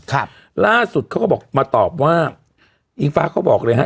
ครับล่าสุดเขาก็บอกมาตอบว่าอิงฟ้าเขาบอกเลยฮะ